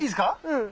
うん。